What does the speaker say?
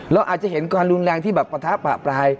เราอาจจะเห็นการรุนแหลงที่ประทะปหาปราย